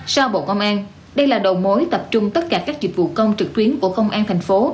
sau bộ công an đây là đầu mối tập trung tất cả các dịch vụ công trực tuyến của công an thành phố